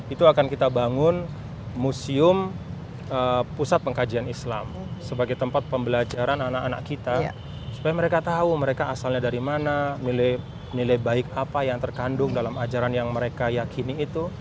itu akan kita bangun museum pusat pengkajian islam sebagai tempat pembelajaran anak anak kita supaya mereka tahu mereka asalnya dari mana nilai baik apa yang terkandung dalam ajaran yang mereka yakini itu